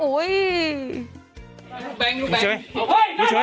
ลูกแบงอย่าเฉยอย่าเฉย